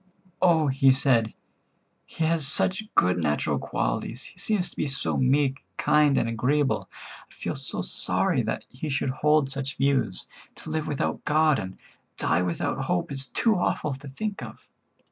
"Oh," he said, "he has such good natural qualities; he seems to be so meek, kind and agreeable; I feel so sorry that he should hold such views. To live without God and die without hope is too awful to think of.